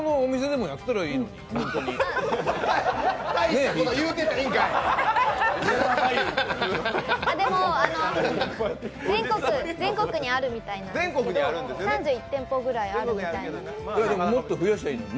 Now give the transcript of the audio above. でも、全国にあるみたいなんですけど、３１店舗ぐらいあるみたいなんで。